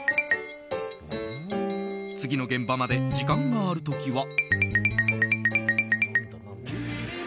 次の現場まで時間があるときは。